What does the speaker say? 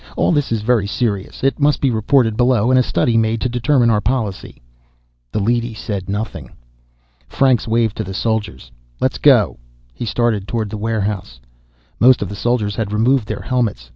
"All this is very serious. It must be reported below and a study made to determine our policy." The leady said nothing. Franks waved to the soldiers. "Let's go." He started toward the warehouse. Most of the soldiers had removed their helmets.